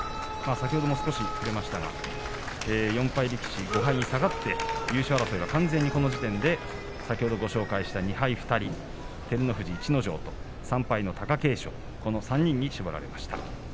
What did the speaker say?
先ほども触れましたが４敗力士、５敗に下がって優勝争いは完全にこの時点で先ほどご紹介した２敗２人照ノ富士、逸ノ城３敗の貴景勝この３人に絞られました。